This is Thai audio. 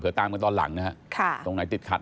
เดี๋ยวตามกันตอนหลังนะฮะตรงไหนติดขัด